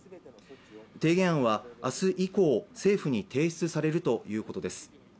提言案は明日以降、政府に提出されるということです。